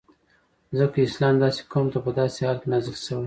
ځکه اسلام داسی قوم ته په داسی حال کی نازل سوی